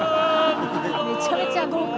めちゃめちゃ豪華。